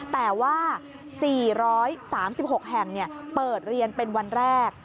แต่ว่า๔๓๖แห่งเปิดเรียนเป็นวันแรก